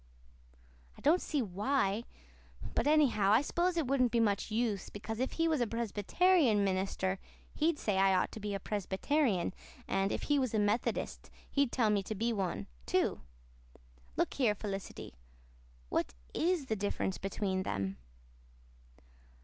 "I don't see why. But anyhow, I s'pose it wouldn't be much use, because if he was a Presbyterian minister he'd say I ought to be a Presbyterian, and if he was a Methodist he'd tell me to be one, too. Look here, Felicity, what IS the difference between them?"